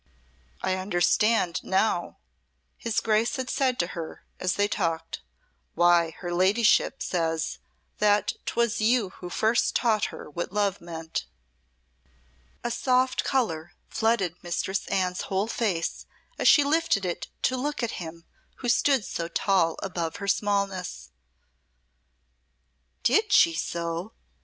"I understand now," his Grace had said to her as they talked, "why her ladyship says that 'twas you who first taught her what love meant." A soft colour flooded Mistress Anne's whole face as she lifted it to look at him who stood so tall above her smallness. "Did she so?"